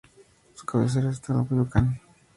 Su cabecera era Teoloyucan.